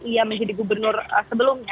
ia menjadi gubernur sebelumnya